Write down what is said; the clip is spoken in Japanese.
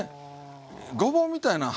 ごぼうみたいなん